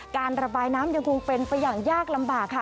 การระบายน้ำยังคงเป็นไปอย่างยากลำบากค่ะ